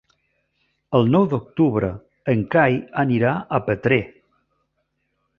El nou d'octubre en Cai anirà a Petrer.